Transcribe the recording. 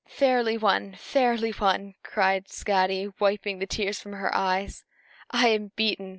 "Fairly won, fairly won!" cried Skadi, wiping the tears from her eyes. "I am beaten.